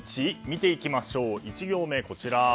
見ていきましょう、１行目。